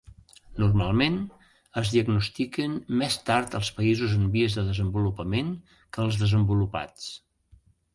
Normalment, es diagnostiquen més tard als països en vies de desenvolupament que als desenvolupats.